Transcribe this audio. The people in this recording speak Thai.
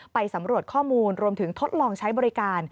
ไปสำรวจข้อมูลรวมถึงทดลองใช้บริการ